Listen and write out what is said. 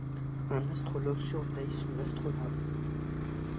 Un astrologue surveille son astrolabe.